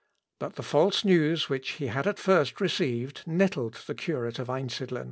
But the false news which he had at first received nettled the curate of Einsidlen.